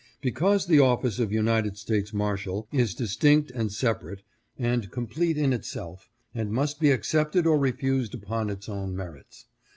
Because the office of United States Marshal is distinct and separate and complete in itself, and must be accepted or refused upon its own merits.